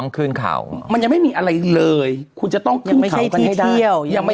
เค้าก็ว่ากันนี้แต่อ่านเนี่ยตอน๖โมงพี่ก็ว่า